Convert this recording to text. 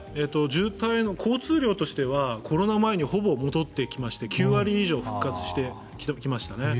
渋滞の交通量としてはコロナ前にほぼ戻ってきまして９割以上、復活してきましたね。